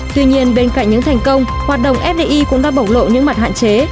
tuy nhiên bên cạnh những thành công hoạt động fdi cũng đã bổng lộ những mặt hạn chế